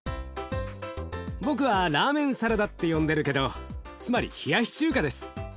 僕は「ラーメンサラダ」って呼んでるけどつまり冷やし中華です。